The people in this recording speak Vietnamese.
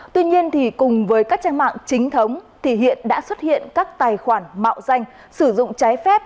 tuy nhiên thì cùng với các trang mạng chính thống thì hiện đã xuất hiện các tài khoản mạo danh sử dụng trái phép